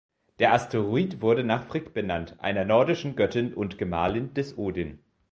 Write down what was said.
Der Asteroid wurde nach Frigg benannt, einer nordischen Göttin und Gemahlin des Odin.